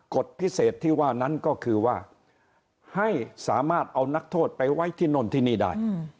กฎพิเศษที่ว่านั้นก็คือว่าให้สามารถเอานักโทษไปไว้ที่โน่นที่นี่ได้